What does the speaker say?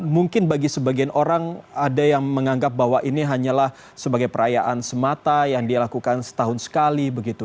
mungkin bagi sebagian orang ada yang menganggap bahwa ini hanyalah sebagai perayaan semata yang dia lakukan setahun sekali begitu